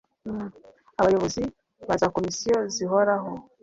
abayobozi ba za komisiyo zihoraho